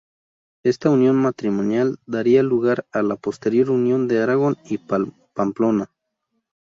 Esta unión matrimonial daría lugar a la posterior unión de Aragón y Pamplona.